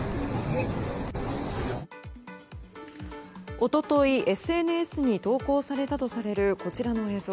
一昨日、ＳＮＳに投稿されたとされるこちらの映像。